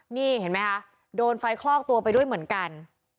นี่เห็นไหมคะโดนไฟคลอกตัวไปด้วยเหมือนกัน